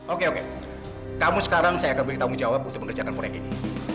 oke oke kamu sekarang saya akan beri tanggung jawab untuk mengerjakan proyek ini